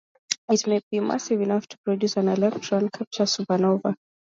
It may be massive enough to produce an electron capture supernova.